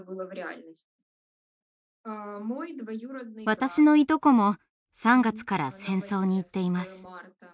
私のいとこも３月から戦争に行っています。